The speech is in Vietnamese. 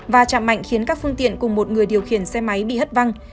và chạm mạnh khiến các phương tiện cùng một người điều khiển xe máy bị hất văng